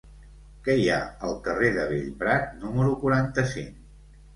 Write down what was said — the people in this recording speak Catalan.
Què hi ha al carrer de Bellprat número quaranta-cinc?